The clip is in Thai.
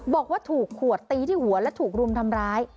บอกว่าถูกขวดตีที่หัวและถูกรุมทำร้าย